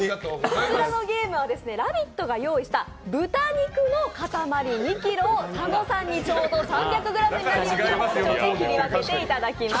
こちらのゲームは「ラヴィット！」が用意した豚肉の塊、２ｋｇを佐野さんにちょうど３００ｇになるように包丁で切り分けていただきます。